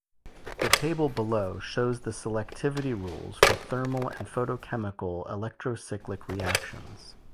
The table below shows the selectivity rules for thermal and photochemical electrocyclic reactions.